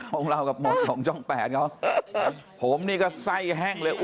หมอป้าหันจนกลับมาเลย